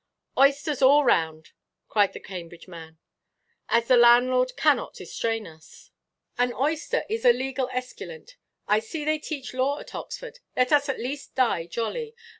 "Oysters all round!" cried the Cambridge man, "as the landlord cannot distrain us. An oyster is a legal esculent; I see they teach law at Oxford; let us at least die jolly.